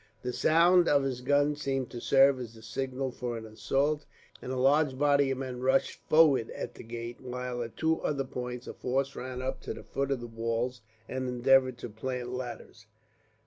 The sound of his gun seemed to serve as the signal for an assault, and a large body of men rushed forward at the gate, while at two other points a force ran up to the foot of the walls, and endeavoured to plant ladders.